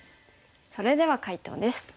それでは解答です。